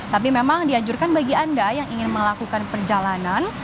tapi memang dianjurkan bagi anda yang ingin melakukan perjalanan